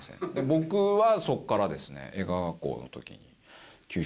僕はそこからですね。